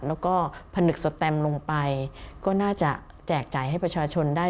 แล้วก็ผนึกสแตมลงไปก็น่าจะแจกจ่ายให้ประชาชนได้